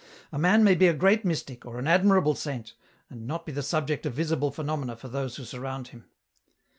" A man may be a great mystic, or an admirable saint, and not be the subject of visible phenomena for those who surround him.